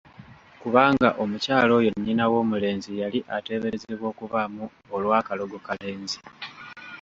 Kubanga omukyala oyo nnyina w'omulenzi yali ateeberezebwa okubaamu olwakalogo kalenzi!